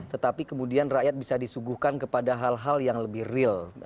tetapi kemudian rakyat bisa disuguhkan kepada hal hal yang lebih real